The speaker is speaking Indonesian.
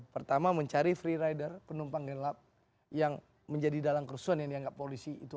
pertama mencari free rider penumpang gelap yang menjadi dalang kerusuhan yang dianggap polisi itu